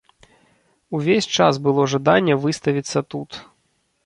Увесь час было жаданне выставіцца тут.